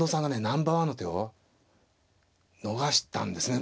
ナンバーワンの手を逃したんですね。